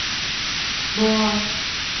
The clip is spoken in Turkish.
Boğa.